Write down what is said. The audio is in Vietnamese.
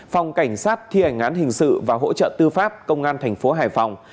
phòng cảnh sát thi hành án hình sự và hỗ trợ tư pháp công an tp hải phòng